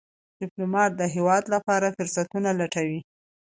ډيپلومات د هېواد لپاره فرصتونه لټوي.